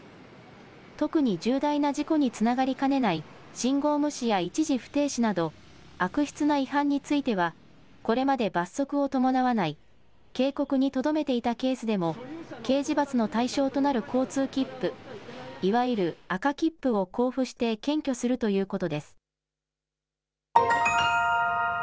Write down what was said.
特に重大な事故につながりかねない信号無視や一時不停止など、悪質な違反については、これまで罰則を伴わない警告にとどめていたケースでも、刑事罰の対象となる交通切符、いわゆる赤切符を交付して検挙するということです。